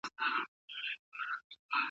اقتصاد د لویدیځوالو له خوا رامنځته شوی دی.